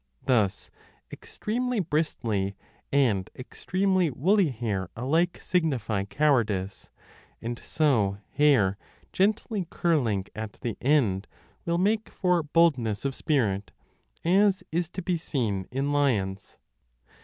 Thus extremely bristly and extremely woolly hair alike signify 4 cowardice, and so hair gently curling at the end will make for boldness 35 of spirit, as is to be seen in lions.